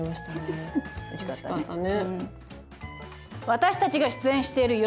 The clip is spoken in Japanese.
私たちが出演している夜